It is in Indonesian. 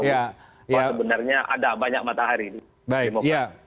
kalau sebenarnya ada banyak matahari di partai demokrat